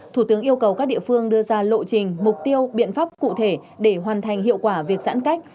thủ tướng yêu cầu các địa phương đưa ra lộ trình mục tiêu biện pháp cụ thể để hoàn thành hiệu quả việc giãn cách